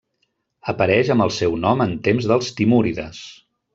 Apareix amb el seu nom en temps dels timúrides.